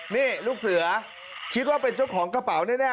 นี่ลูกเสือคิดว่าเป็นเจ้าของกระเป๋าแน่